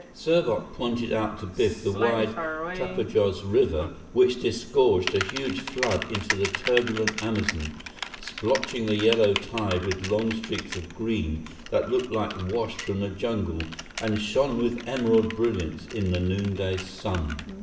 Serbot pointed out to Biff the wide Tapajóz River which disgorged a huge flood into the turbulent Amazon, splotching the yellow tide with long streaks of green that looked like wash from the jungle and shone with emerald brilliance in the noonday sun.